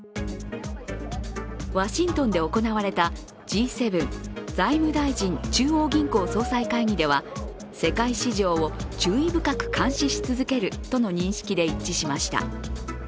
ワシントンで行われたＧ７財務大臣・中央銀行総裁会議では世界一場を注意深く監視し続けるとの認識で一致しました。